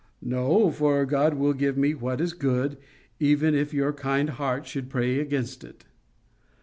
"No, for God will give me what is good, even if your kind heart should pray against it."